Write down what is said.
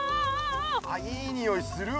あっいいにおいするわ。